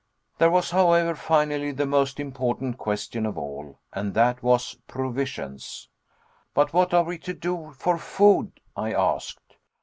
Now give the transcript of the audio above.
There was, however, finally the most important question of all, and that was, provisions. "But what are we to do for food?" I asked.